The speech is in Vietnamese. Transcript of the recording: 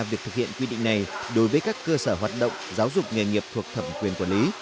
việc thực hiện quy định này đối với các cơ sở hoạt động giáo dục nghề nghiệp thuộc thẩm quyền quản lý